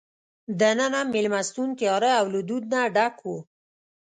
دننه مېلمستون تیاره او له دود نه ډک وو.